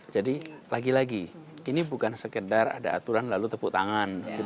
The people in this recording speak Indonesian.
jadi lagi lagi ini bukan sekedar ada aturan lalu tepuk tangan